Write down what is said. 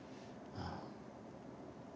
ああ。